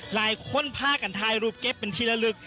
หลายคนพากันถ่ายรูปเก็บเป็นที่ละลึก